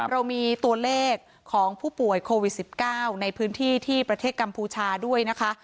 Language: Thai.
เรามีตัวเลขของผู้ป่วยโควิด๑๙ในพื้นที่ที่ประเทศกัมพูชาด้วยนะคะ